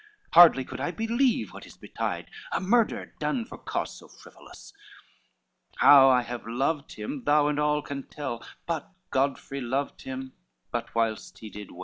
Hardly could I believe what is betide, A murder done for cause so frivolous, How I have loved him, thou and all can tell; But Godfrey loved him but whilst he did well.